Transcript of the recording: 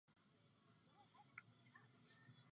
Důležitým faktorem je také regionální spolupráce.